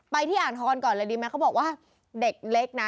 ไปที่อ่านธรตร์ก่อนแหละดีไหมเขาบอกว่าเด็กเล็กนะ